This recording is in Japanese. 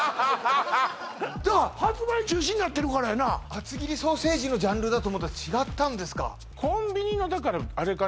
だから発売中止になってるからやな厚切りソーセージのジャンルだと思ったら違ったんですか